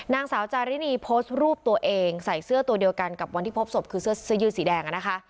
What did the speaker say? นางสาวจารินีโพสต์รูปตัวเองใส่เสื้อตัวเดียวกันกับวันที่พบศพคือเสื้อยืดสีแดงอะนะคะ